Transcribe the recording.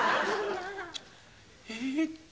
えっと。